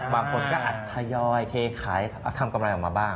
บางคนก็อัดทยอยเทขายทำกำไรออกมาบ้าง